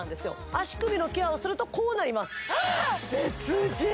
足首のケアをするとこうなります別人！